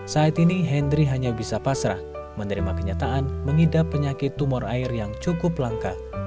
saat ini hendri hanya bisa pasrah menerima kenyataan mengidap penyakit tumor air yang cukup langka